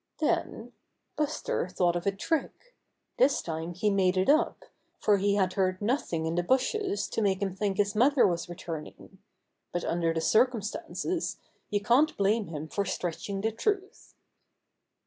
Then Buster thought of a trick. This time he made it up, for he had heard nothing in the bushes to make him think his mother was returning. But under the circumstances you can't blame him for stretching the truth.